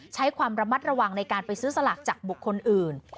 ใช้ความระมัดระวังในการไปซื้อสลากจากบุคคลอื่น